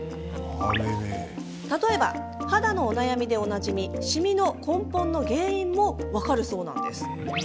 例えば、肌のお悩みでおなじみシミの根本の原因も分かるそうなんです。